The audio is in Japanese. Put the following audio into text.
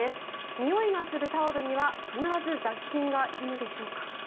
においがするタオルには必ず雑菌がいるのでしょうか？